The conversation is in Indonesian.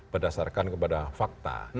berdasarkan kepada fakta